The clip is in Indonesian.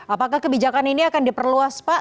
apakah kebijakan ini akan diperluas pak